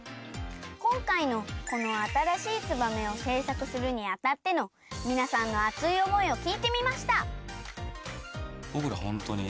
こんかいのこのあたらしい「ツバメ」をせいさくするにあたってのみなさんの熱い思いをきいてみました。